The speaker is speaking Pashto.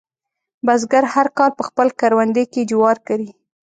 بزګر هر کال په خپل کروندې کې جوار کري.